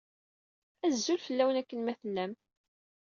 Azul fell-awen akken ma tellam